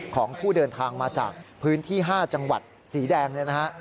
ของผู้เดินทางมาจากพื้นที่๕จังหวัดสีแดง